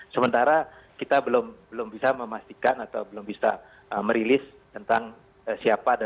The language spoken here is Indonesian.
sementara kita belum bisa memastikan atau belum bisa merilis tentang siapa